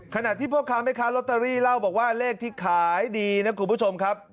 ขณะที่พ่อค้าแม่ค้าลอตเตอรี่เล่าบอกว่าเลขที่ขายดีนะคุณผู้ชมครับ